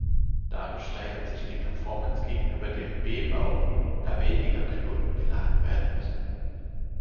Dadurch steigert sich die Performance gegenüber dem B-Baum, da weniger Knoten geladen werden müssen.